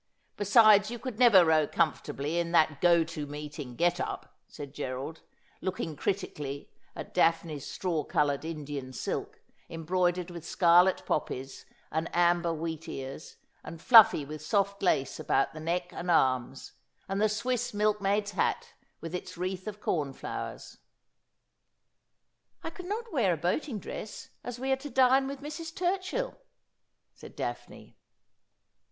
Besides, you could never row comfortably in that go to meeting get up,' said Gerald, looking '■After my Might ful fayne wold I You plese.' 153 critically at Daphne's straw coloured Indian silk, embroidered with scarlet poppies and amber wheat ears, and fluffy with soft lace about the neck and arms, and the Swiss milkmaid's hat with its wreath of cornflowers. 'I could not wear a boating dress, as we are to dine with Mrs. Turchill,' said Daphne.